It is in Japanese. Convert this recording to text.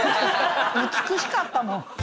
美しかったもん。